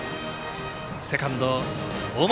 セカンドの大舛。